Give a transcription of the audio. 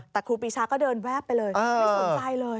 แต่ครูปีชาก็เดินแวบไปเลยไม่สนใจเลย